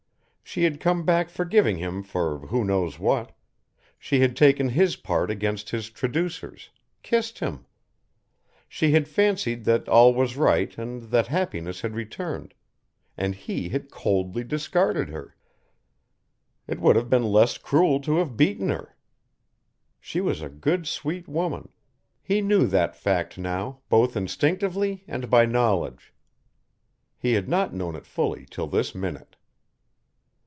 She had come back forgiving him for who knows what, she had taken his part against his traducers, kissed him. She had fancied that all was right and that happiness had returned and he had coldly discarded her. It would have been less cruel to have beaten her. She was a good sweet woman. He knew that fact, now, both instinctively and by knowledge. He had not known it fully till this minute.